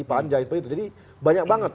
di panja itu jadi banyak banget